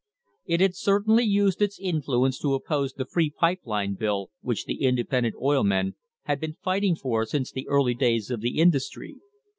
It had certainly used its influence to oppose the free pipe line bill which the independent oil men had been fighting for since the early days of the industry.